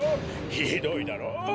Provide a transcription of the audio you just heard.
ひどいだろう！？